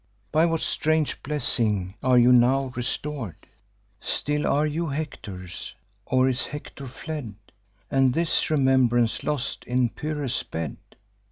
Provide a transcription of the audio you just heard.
By what strange blessing are you now restor'd? Still are you Hector's? or is Hector fled, And his remembrance lost in Pyrrhus' bed?